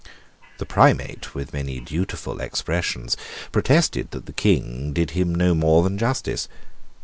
The Primate, with many dutiful expressions, protested that the King did him no more than justice.